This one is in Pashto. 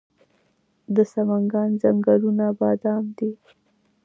د سمنګان ځنګلونه بادام دي